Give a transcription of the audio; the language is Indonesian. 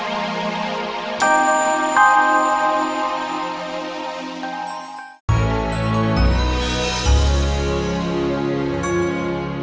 berikut adalah sisanya